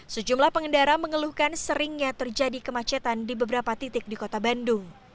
sejumlah pengendara mengeluhkan seringnya terjadi kemacetan di beberapa titik di kota bandung